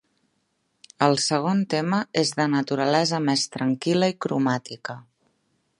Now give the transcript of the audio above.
El segon tema és de naturalesa més tranquil·la i cromàtica.